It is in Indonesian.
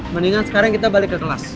mendingan sekarang kita balik ke kelas